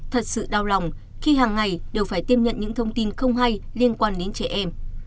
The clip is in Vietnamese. thật sự đau lòng khi hàng ngày đều phải tiêm nhận những thông tin không hay liên quan đến trẻ em